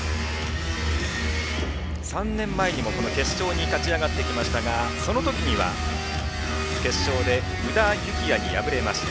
３年前にも、この決勝に勝ち上がってきましたがその時には決勝で宇田幸矢に敗れました。